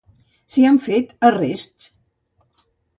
S'hi han fet arrests?